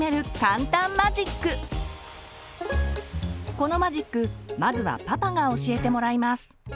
このマジックまずはパパが教えてもらいます。